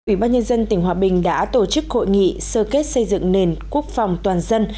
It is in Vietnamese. ủy ban nhân dân tỉnh hòa bình đã tổ chức hội nghị sơ kết xây dựng nền quốc phòng toàn dân